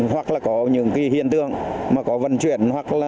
hoặc là có những hiện tượng vận chuyển